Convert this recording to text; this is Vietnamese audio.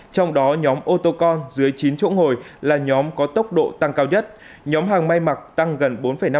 trong đó nhóm otocon dưới chín chỗ ngồi là nhóm có tốc độ tăng cao nhất nhóm hàng may mặc tăng gần bốn năm